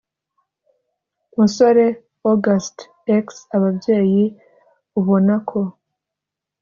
musore august x’ababyeyi ubonako